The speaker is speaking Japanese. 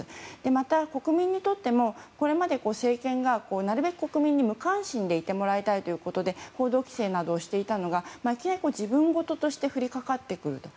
また、国民にとってもこれまで政権が、なるべく国民に無関心でいてもらいたいということで報道規制などをしていたのがいきなり自分事として降りかかってくると。